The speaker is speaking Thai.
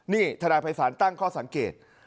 นี่ทนายภัยศาลตั้งข้อสังเกต